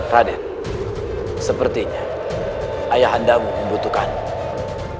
raden sepertinya ayahandamu membutuhkanmu